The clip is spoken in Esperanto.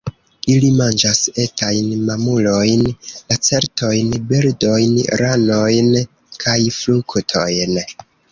Ili manĝas etajn mamulojn, lacertojn, birdojn, ranojn kaj fruktojn.